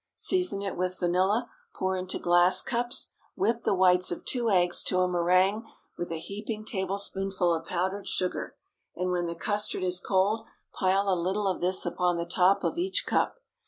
Season it with vanilla, pour into glass cups; whip the whites of two eggs to a méringue with a heaping tablespoonful of powdered sugar, and when the custard is cold, pile a little of this upon the top of each cup.